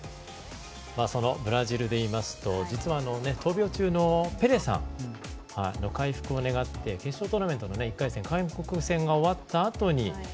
そのブラジルで言いますと実は闘病中のペレさんの回復を願って決勝トーナメントの１回戦韓国戦が終わったあとに。